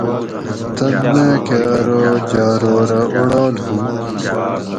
تن میکہ ارو جاۤرورہ اوڑال ہو